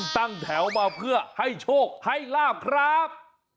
ตั้งแถวมาเพื่อให้โชคให้ลาบครับ